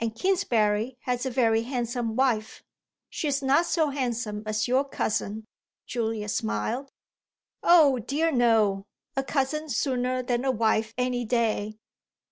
And Kingsbury has a very handsome wife." "She's not so handsome as your cousin," Julia smiled. "Oh dear, no a cousin sooner than a wife any day!"